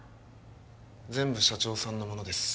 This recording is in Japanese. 全部社長さんのものです